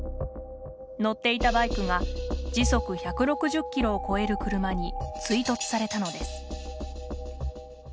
乗っていたバイクが時速１６０キロを超える車に追突されたのです。